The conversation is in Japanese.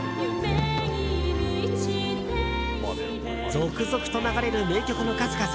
続々と流れる名曲の数々。